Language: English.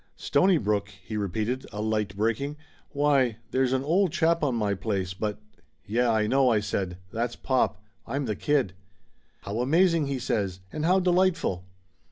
"Stonybrook ?" he repeated, a light breaking. "Why, there's an old chap on my place, but " 66 Laughter Limited "Yeh, I know!" I said. "That's pop. I'm the kid." "How amazing!" he says. "And how delightful!"